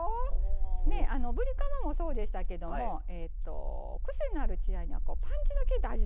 ぶりカマもそうでしたけどもクセのある血合いにはパンチのきいた味付けが合うんですね。